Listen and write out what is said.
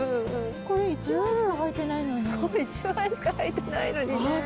そう１枚しかはいてないのにね。